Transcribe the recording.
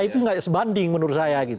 itu nggak sebanding menurut saya